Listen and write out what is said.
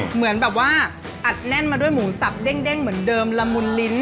เหมือนแบบว่าอัดแน่นมาด้วยหมูสับเด้งเหมือนเดิมละมุนลิ้น